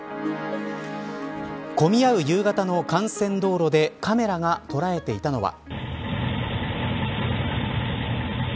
混み合う夕方の幹線道路でカメラが捉えていたのは。